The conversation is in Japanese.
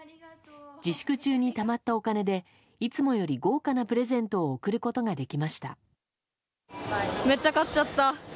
自粛中にたまったお金でいつもより豪華なプレゼントを贈ることができました。